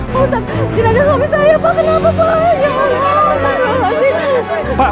pak ustadz jenagah suami saya pak kenapa pak